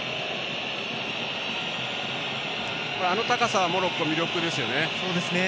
あの高さはモロッコ魅力ですよね。